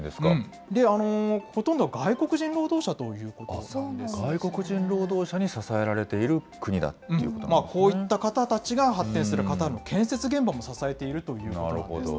ほとんど外国人労働者という外国人労働者に支えられていこういった方たちが発展するカタールの建設現場も支えているということです。